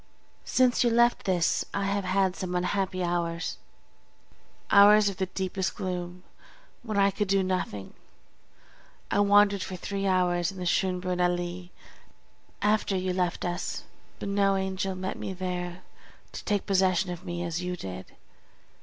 Since you left this I have had some unhappy hours, hours of the deepest gloom, when I could do nothing. I wandered for three hours in the Schönbrunn Allée after you left us, but no angel met me there to take possession of me as you did.